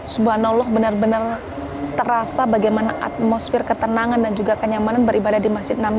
subhanallah benar benar terasa bagaimana atmosfer ketenangan dan juga kenyamanan beribadah di masjid nami